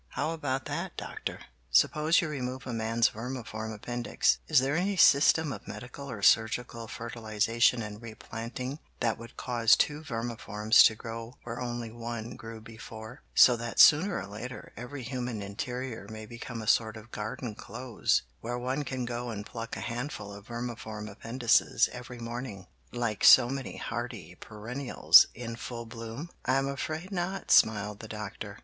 How about that, Doctor? Suppose you remove a man's vermiform appendix is there any system of medical, or surgical, fertilization and replanting that would cause two vermiforms to grow where only one grew before, so that sooner or later every human interior may become a sort of garden close, where one can go and pluck a handful of vermiform appendices every morning, like so many hardy perennials in full bloom?" "I'm afraid not," smiled the Doctor.